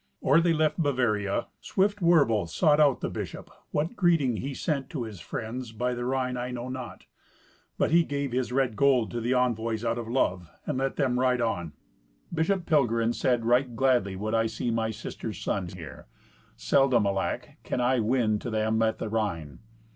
Or they left Bavaria, swift Werbel sought out the bishop: what greeting he sent to his friends by the Rhine I know not. But he gave his red gold to the envoys out of love, and let them ride on. Bishop Pilgerin said, "Right gladly would I see my sister's sons here. Seldom, alack! can I win to them at the Rhine."